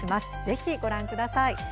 ぜひご覧ください。